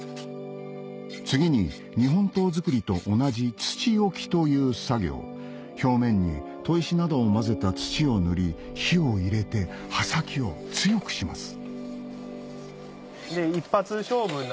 次に日本刀づくりと同じ土置きという作業表面に砥石などを混ぜた土を塗り火を入れて刃先を強くします